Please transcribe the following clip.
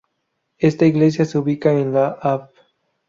Esta iglesia se ubica en la Av.